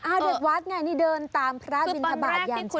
อ่าเด็กวัดไงนี่เดินตามพระราชอาทิตย์มิตระบาดยานเช้า